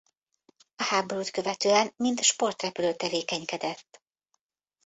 A háborút követően mint sportrepülő tevékenykedett.